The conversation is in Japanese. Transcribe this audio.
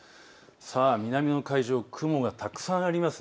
南の海上、雲がたくさんあります。